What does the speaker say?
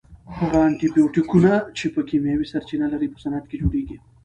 هغه انټي بیوټیکونه چې کیمیاوي سرچینه لري په صنعت کې جوړیږي.